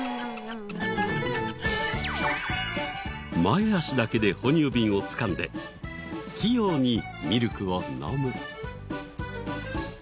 前足だけで哺乳瓶をつかんで器用にミルクを飲む。